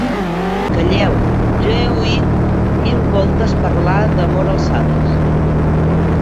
Calleu! Jo he oït mil voltes parlar d'amor als savis.